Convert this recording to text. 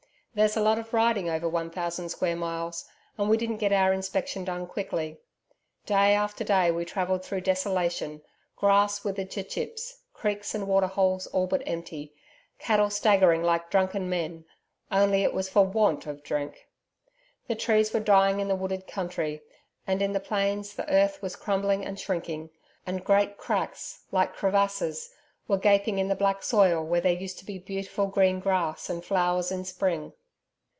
There's a lot of riding over one thousand square miles, and we didn't get our inspection done quickly. Day after day we travelled through desolation grass withered to chips, creeks and waterholes all but empty, cattle staggering like drunken men, only it was for WANT of drink. The trees were dying in the wooded country; and in the plains the earth was crumbling and shrinking, and great cracks like crevasses were gaping in the black soil where there used to be beautiful green grass and flowers in spring.